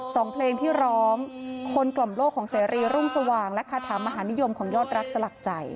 สองเพลงที่ร้องคนกล่อมโลกของเสรีรุ่งสว่างและคาถามหานิยมของยอดรักสลักใจ